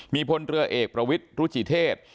มีพลเรือเอกประวิทรุจิเทศ